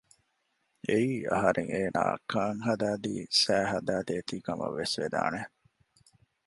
އެއީ އަހަރެން އޭނާއަށް ކާން ހަދައިދީ ސައި ހަދައި ދޭތީ ކަމަށްވެސް ވެދާނެ